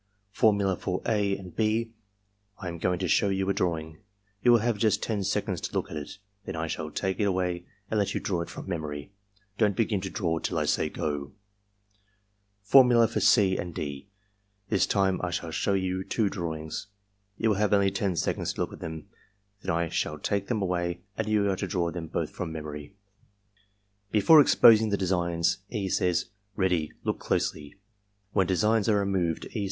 Formula for (a) and (6): "/ am going to show you a drawing. You will have just ten seconds to look at it; then I shall take it away and let you draw it from memory. DonH begin to draw till I say ^go,'" Formula for (c) and (d): '^This time I shall show you two drawings. You will have only ten seconds to look at them, then I shalltake them away and you are to draw them both from memory,*' Before exposing the designs, E. says: "Ready; look dosely.'' When designs are removed, E.